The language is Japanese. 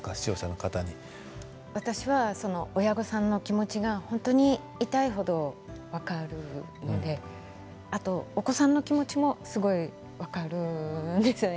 私は親御さんの気持ちが本当に痛い程、分かるのであと、お子さんの気持ちもすごい分かるんですよね